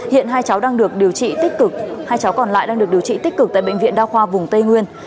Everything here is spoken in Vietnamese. hiện hai cháu còn lại đang được điều trị tích cực tại bệnh viện đa khoa vùng tây nguyên